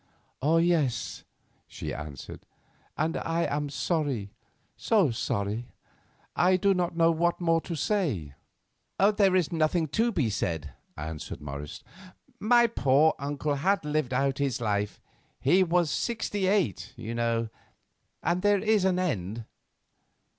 "Oh, yes," she answered; "and I am sorry, so sorry. I do not know what more to say." "There is nothing to be said," answered Morris; "my poor uncle had lived out his life—he was sixty eight, you know, and there is an end."